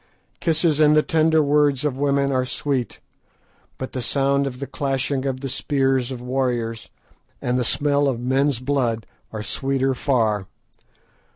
Kisses and the tender words of women are sweet, but the sound of the clashing of the spears of warriors, and the smell of men's blood, are sweeter far!